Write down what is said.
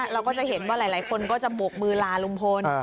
เราก็จะเห็นว่าหลายคนก็จะบกมือลาลุงพล